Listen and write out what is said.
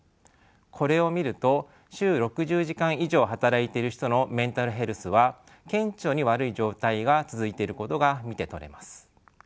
これを見ると週６０時間以上働いてる人のメンタルヘルスは顕著に悪い状態が続いていることが見て取れます。